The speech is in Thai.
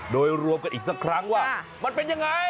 โดยรวมกันอีกสักครั้งว่ามันเป็นยังไง